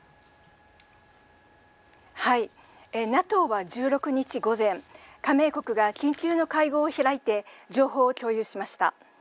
ＮＡＴＯは１６日午前加盟国が緊急の会合を開いて情報を共有しました。